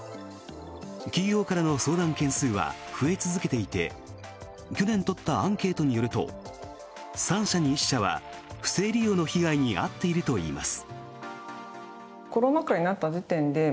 企業からの相談件数は増え続けていて去年取ったアンケートによると３社に１社は不正利用の被害に遭っているといいます。